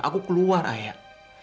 aku keluar ayah